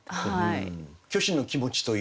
虚子の気持ちというか。